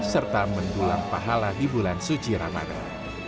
serta mendulang pahala di bulan suci ramadan